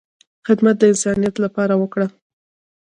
خدمت د انسانیت لپاره وکړه،